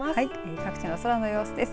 各地の空の様子です。